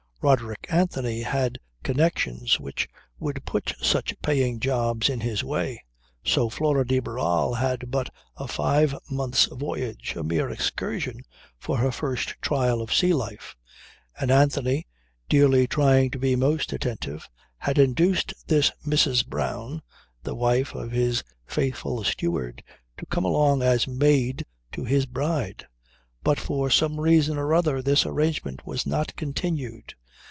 Roderick Anthony had connections which would put such paying jobs in his way. So Flora de Barral had but a five months' voyage, a mere excursion, for her first trial of sea life. And Anthony, dearly trying to be most attentive, had induced this Mrs. Brown, the wife of his faithful steward, to come along as maid to his bride. But for some reason or other this arrangement was not continued.